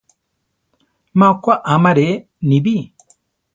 Má okwá amaré, nibí.